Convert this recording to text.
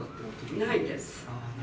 ないです。